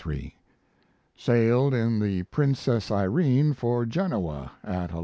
Sailed in the Princess Irene for Genoa at 11.